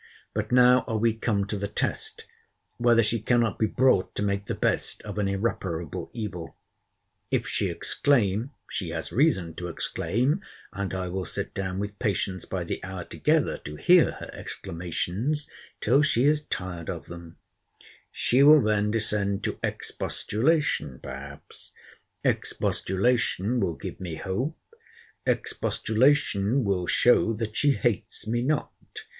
But now are we come to the test, whether she cannot be brought to make the best of an irreparable evil. If she exclaim, [she has reason to exclaim, and I will sit down with patience by the hour together to hear her exclamations, till she is tired of them,] she will then descend to expostulation perhaps: expostulation will give me hope: expostulation will show that she hates me not.